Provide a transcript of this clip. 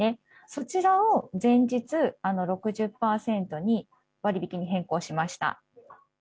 そちらを全日６０％割引に変更しました。